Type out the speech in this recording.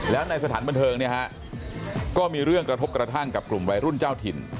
แล้วในสถานบันเทิงเนี่ยฮะก็มีเรื่องกระทบกระทั่งกับกลุ่มวัยรุ่นเจ้าถิ่น